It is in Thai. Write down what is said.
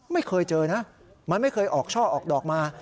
ไม่เคยเจอนะมันไม่เคยออกช่อออกดอกมา